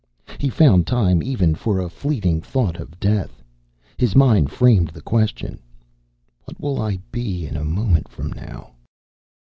He found time, even, for a fleeting thought of death. His mind framed the question, "What will I be in a moment from now?"